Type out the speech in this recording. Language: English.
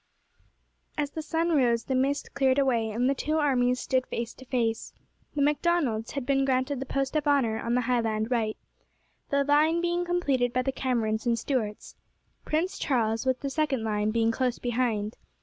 As the sun rose the mist cleared away, and the two armies stood face to face. The Macdonalds had been granted the post of honour on the Highland right, the line being completed by the Camerons and Stuarts, Prince Charles with the second line being close behind.